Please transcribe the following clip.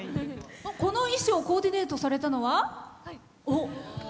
この衣装をコーディネートされたのは？